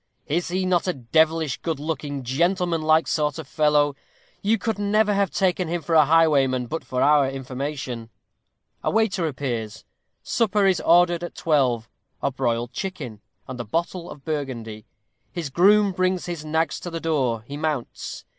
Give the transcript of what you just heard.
Is he not a devilish good looking, gentlemanlike sort of fellow? You could never have taken him for a highwayman but for our information. A waiter appears supper is ordered at twelve a broiled chicken and a bottle of Burgundy his groom brings his nags to the door he mounts.